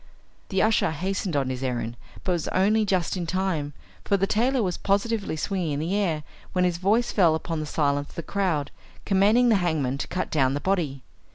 The usher hastened on his errand, but was only just in time, for the tailor was positively swinging in the air, when his voice fell upon the silence of the crowd, commanding the hangman to cut down the body.